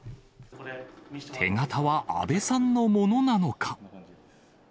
手形は阿部さんのものなのか。